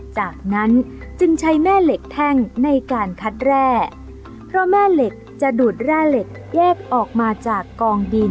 จากนั้นจึงใช้แม่เหล็กแท่งในการคัดแร่เพราะแม่เหล็กจะดูดแร่เหล็กแยกออกมาจากกองดิน